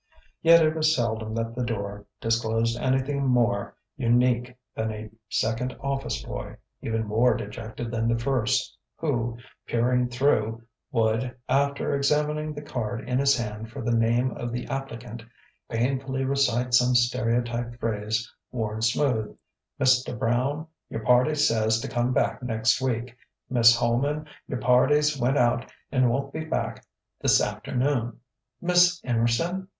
Yet it was seldom that the door disclosed anything more unique than a second office boy, even more dejected than the first, who, peering through, would, after examining the card in his hand for the name of the applicant, painfully recite some stereotyped phrase worn smooth "Mista Brown? Y'ur party says t' come back next week!" "Miss Holman? Y'ur party's went out 'n' won't be back th'safternoon!" "Miss Em'rson?